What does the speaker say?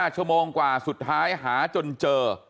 ชั่วโมงกว่าสุดท้ายหาจนเจอ